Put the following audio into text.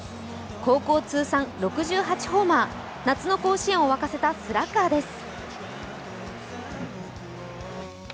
高校通算６８ホーマー、夏の甲子園を沸かせたスラッガーです。